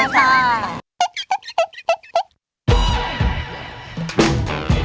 ใช่ค่ะ